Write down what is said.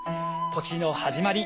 年の始まり